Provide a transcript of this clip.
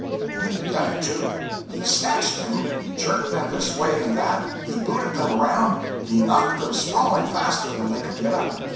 And he done it, too. He snatched them, he jerked them this way and that, he booted them around, he knocked them sprawling faster than they could get up.